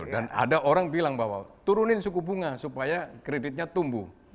dan ada orang bilang bahwa turunin suku bunga supaya kreditnya tumbuh